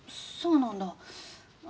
そうなんだ。